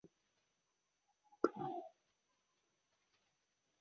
na tisa Nrumah alitoka katika chama alichokuwa mwanzo akaunda chama kingine iliyokuwa na madai